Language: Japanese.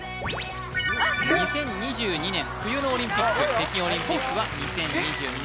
２０２２年冬のオリンピック北京オリンピックは２０２２年